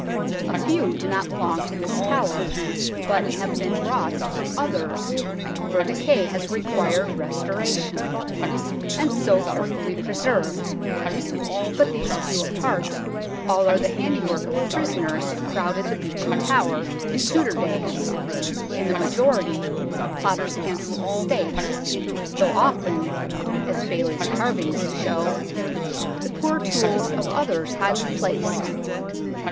A few do not belong to this tower, but have been brought from others where decay has required restoration, and so carefully preserved, but these few apart, all are the handiwork of prisoners who crowded the Beauchamp Tower in Tudor days in the THE BEAUCHAMP TOWER 113 majority, plotters against the State, though often, as Bailly's carvings show, the poor tools of others highly placed.